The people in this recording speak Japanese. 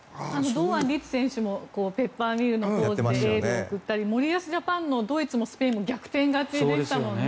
堂安律選手もペッパーミルのポーズでエールを送ったり森保ジャパンもドイツとスペインに逆転勝ちでしたもんね。